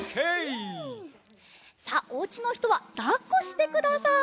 さあおうちのひとはだっこしてください。